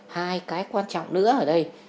hai cái quan trọng nữa ở đây